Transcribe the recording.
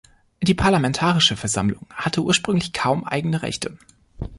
Die Parlamentarische Versammlung hatte ursprünglich kaum eigene Rechte.